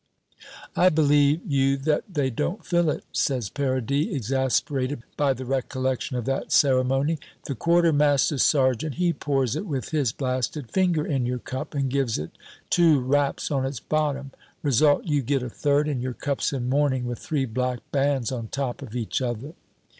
"I believe you that they don't fill it," says Paradis, exasperated by the recollection of that ceremony. "The quartermaster sergeant, he pours it with his blasted finger in your cup and gives it two raps on its bottom. Result, you get a third, and your cup's in mourning with three black bands on top of each other."